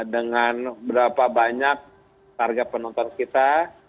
dengan berapa banyak target penonton kita